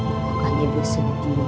makanya dia sedih